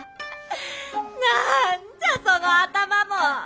何じゃその頭も。